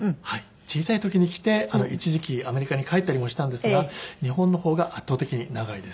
小さい時に来て一時期アメリカに帰ったりもしたんですが日本の方が圧倒的に長いです。